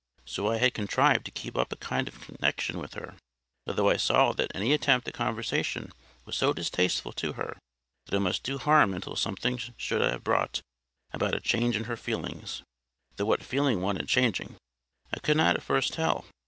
So I had contrived to keep up a kind of connexion with her, although I saw that any attempt at conversation was so distasteful to her, that it must do harm until something should have brought about a change in her feelings; though what feeling wanted changing, I could not at first tell.